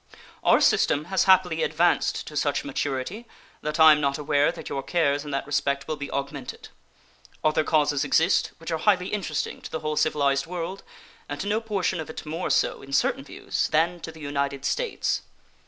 Our system has happily advanced to such maturity that I am not aware that your cares in that respect will be augmented. Other causes exist which are highly interesting to the whole civilized world and to no portion of it more so, in certain views, than to the United States.